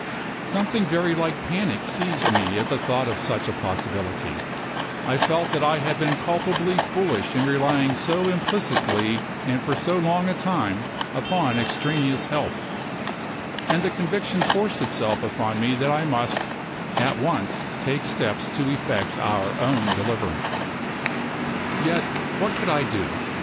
Something very like panic seized me at the thought of such a possibility; I felt that I had been culpably foolish in relying so implicitly, and for so long a time, upon extraneous help; and the conviction forced itself upon me that I must at once take steps to effect our own deliverance. Yet what could I do?